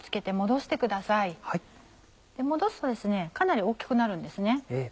もどすとかなり大きくなるんです。